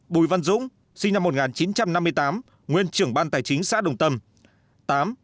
hai bùi văn dũng sinh năm một nghìn chín trăm năm mươi tám nguyên trưởng ban tài chính xã đồng tâm